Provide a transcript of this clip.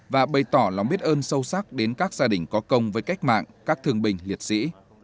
và bày tỏ lòng biết ơn sâu sắc đến các gia đình có công với cách mạng các thương binh liệt sĩ